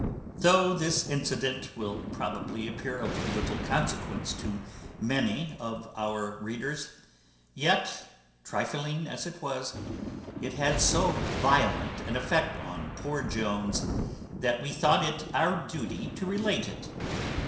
Though this incident will probably appear of little consequence to many of our readers; yet, trifling as it was, it had so violent an effect on poor Jones, that we thought it our duty to relate it.